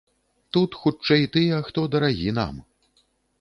Тут, хутчэй, тыя, хто дарагі нам.